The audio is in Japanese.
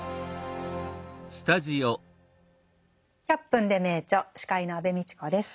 「１００分ｄｅ名著」司会の安部みちこです。